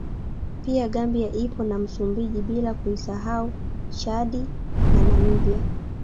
Pia Gambia ipo na Msumbiji bila kuisahau Chadi na Namibia